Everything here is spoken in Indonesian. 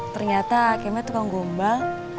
ternyata kemet tukang gombal